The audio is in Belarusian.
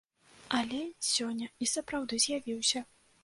Алей сёння і сапраўды з'явіўся.